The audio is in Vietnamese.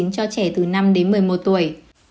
cho trẻ từ năm đến một mươi một tuổi